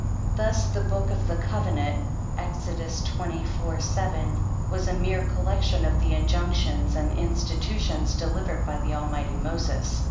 Thus, the Book of the Covenant, (Exodus xxiv. 7.) was a mere collec tion of the injunctions and institutions delivered by the Almighty to Moses.